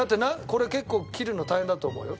これ結構切るの大変だと思うよ。